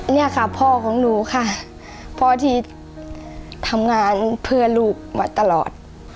เนี่ยค่ะพ่อของหนูค่ะพ่อที่ทำงานเพื่อลูกมาตลอด